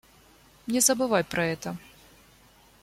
Не забывай про это.